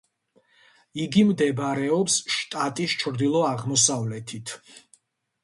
იგი მდებარეობს შტატის ჩრდილო-აღმოსავლეთით.